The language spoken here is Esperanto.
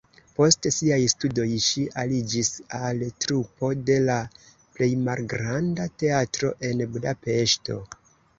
Post siaj studoj ŝi aliĝis al trupo de la plej malgranda teatro en Budapeŝto.